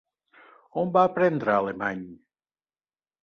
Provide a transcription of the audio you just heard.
On va aprendre alemany?